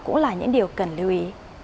cũng là những điều cần lưu ý